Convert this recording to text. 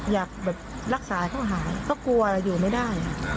อยากแบบรักษาเขาหายก็กลัวอยู่ไม่ได้